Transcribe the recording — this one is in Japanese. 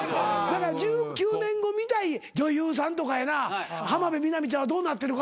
１９年後見たい女優さんとかやな浜辺美波ちゃんはどうなってるかとかあっ！